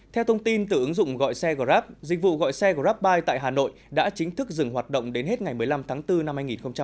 theo thông tin từ ứng dụng gọi xe grab dịch vụ gọi xe grabbuy tại hà nội đã chính thức dừng hoạt động đến hết ngày một mươi năm tháng bốn năm hai nghìn hai mươi